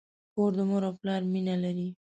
کور د مور او پلار مینه لري.